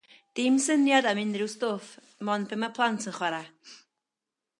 Dim syniad am unrhyw stwff 'mond be mae'r plant yn chwarae.